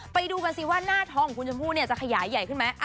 ไปดูกันสิว่าหน้าท้องของคุณชมพู่จะขยายใหญ่ขึ้นไหม